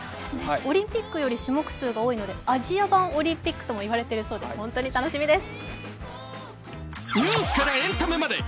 オリンピックより種目数が多いのでアジア版オリンピックとも言われています、本当に楽しみです。